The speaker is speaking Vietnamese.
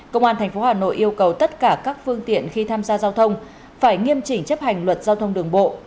công an tp hà nội yêu cầu tất cả các phương tiện khi tham gia giao thông phải nghiêm chỉnh chấp hành luật giao thông đường bộ